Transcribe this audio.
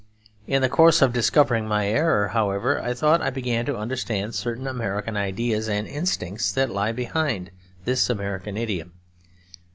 In the course of discovering my error, however, I thought I began to understand certain American ideas and instincts that lie behind this American idiom.